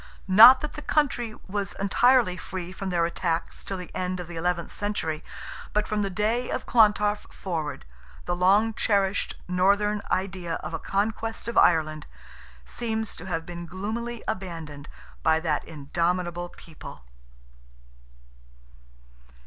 Not that the country was entirely free from their attacks till the end of the eleventh century, but from the day of Clontarf forward, the long cherished Northern idea of a conquest of Ireland, seems to have been gloomily abandoned by that indomitable people.